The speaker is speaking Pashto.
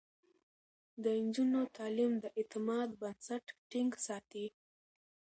د نجونو تعليم د اعتماد بنسټ ټينګ ساتي.